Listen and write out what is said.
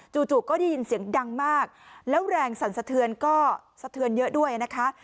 จู่ก็ได้ยินเสียงดังมากแล้วแรงสั่นสะเทือนก็สะเทือนเยอะด้วยนะคะ